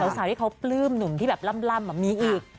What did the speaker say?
สาวที่เขาปลื้มหนุ่มที่แบบล่ำมีอีก